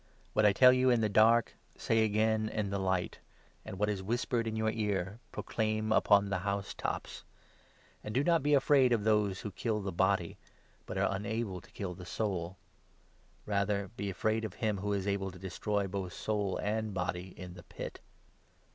What I tell you in the dark, say agam in the light ; and what is whispered in your ear, proclaim upon the housetops. And do not be afraid of those who kill the body, but are unable to kill the soul ; rather be afraid of him who is able to destroy both soul and body in the Pit.